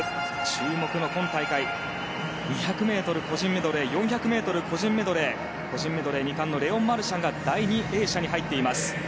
注目の今大会２００ｍ個人メドレー４００ｍ個人メドレー個人メドレー２冠のレオン・マルシャンが第２泳者に入っています。